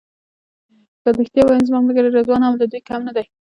که رښتیا ووایم زما ملګری رضوان هم له دوی کم نه دی.